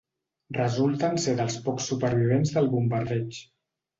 Resulten ser dels pocs supervivents del bombardeig.